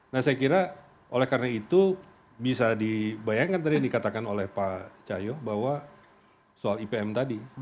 nah saya kira oleh karena itu bisa dibayangkan tadi yang dikatakan oleh pak cahyo bahwa soal ipm tadi